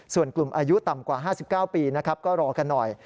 ส่วนกลุ่มอายุต่ำกว่า๕๙ปีนะครับก็รอกันหน่อย